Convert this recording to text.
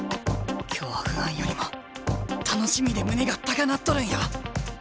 今日は不安よりも楽しみで胸が高鳴っとるんや。